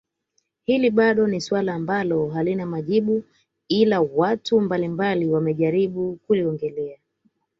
Hili bado ni swali ambalo halina majibu ila watu mbalimbali wamejaribu kuliongelea